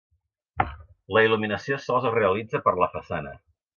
La il·luminació sols es realitza per la façana.